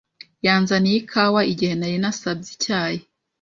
Yanzaniye ikawa, igihe nari nasabye icyayi.